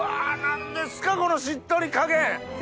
何ですかこのしっとり加減！